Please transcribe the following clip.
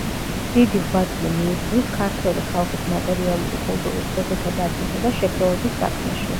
დიდი ღვაწლი მიუძღვის ქართველი ხალხის მატერიალური კულტურის ძეგლთა დაცვისა და შეგროვების საქმეში.